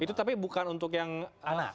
itu tapi bukan untuk yang anak